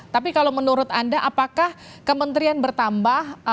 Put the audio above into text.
tapi kalau menurut anda apakah kementerian bertambah